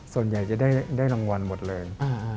ส่วนใหญ่จะได้รางวัลหมดเลย